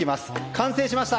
完成しました！